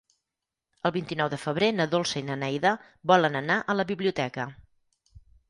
El vint-i-nou de febrer na Dolça i na Neida volen anar a la biblioteca.